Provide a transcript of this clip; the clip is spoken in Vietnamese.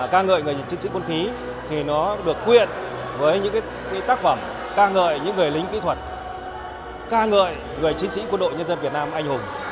ca ngợi người chiến sĩ quân khí thì nó được quyện với những tác phẩm ca ngợi những người lính kỹ thuật ca ngợi người chiến sĩ quân đội nhân dân việt nam anh hùng